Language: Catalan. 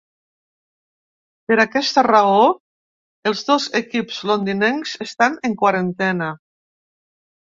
Per aquesta raó els dos equips londinencs estan en quarantena.